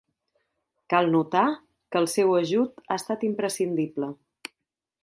Cal notar que el seu ajut ha estat imprescindible.